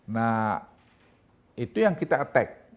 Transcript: nah itu yang kita attack